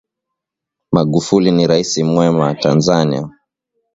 Magufuli ni raisi mwema wa tanzania